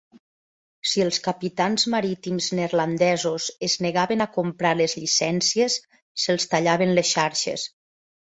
Si els capitans marítims neerlandesos es negaven a comprar les llicències, se'ls tallaven les xarxes.